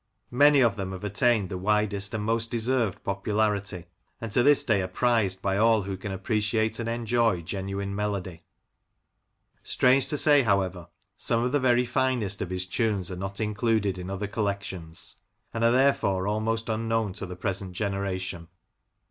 Many of them have attained the widest and most deserved popularity, and to this day are prized by all who can appreciate and enjoy genuine melody. Strange to say, however, some of the very finest of his tunes are not included in other collections, and are therefore almost unknown to the present generation.